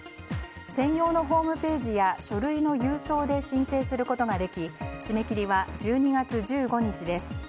専用のホームページや書類の郵送で申請することができ締め切りは１２月１５日です。